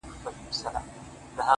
• د اوبو زور یې په ژوند نه وو لیدلی,